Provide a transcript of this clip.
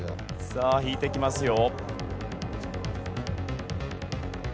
さあ引いていきますよ。